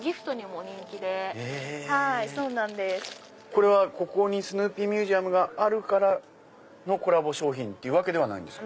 これはスヌーピーミュージアムがあるからのコラボ商品ではないんですか？